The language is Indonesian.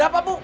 ada apa bu